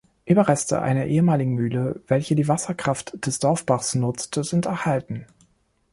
Überreste einer ehemaligen Mühle, welche die Wasserkraft des Dorfbachs nutzte, sind erhalten.